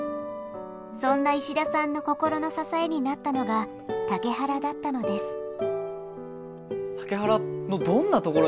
そんな石田さんの心の支えになったのが竹原だったのです。